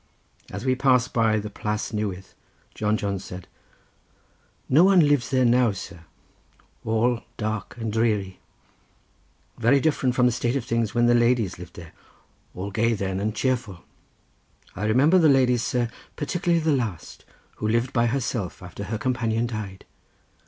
As we passed by the Plas Newydd John Jones said: "No one lives there now, sir; all dark and dreary; very different from the state of things when the ladies lived there—all gay then and cheerful. I remember the ladies, sir, particularly the last, who lived by herself after her companion died.